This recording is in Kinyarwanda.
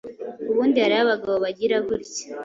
Ubundi hariho abagabo bagira gutya